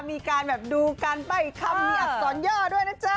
มีการแบบดูการใบ้คำมีอักษรย่อด้วยนะจ๊ะ